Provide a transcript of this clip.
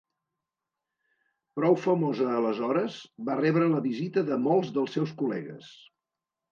Prou famosa aleshores, va rebre la visita de molts dels seus col·legues.